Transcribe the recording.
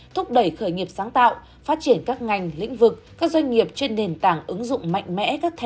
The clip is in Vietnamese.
thúc đẩy khởi nghiệp sáng tạo phát triển các ngành lĩnh vực các doanh nghiệp trên nền tảng ứng dụng mạnh mẽ